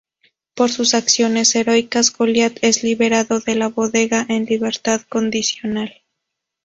Por sus acciones heroicas, Goliat es liberado de la Bodega en libertad condicional.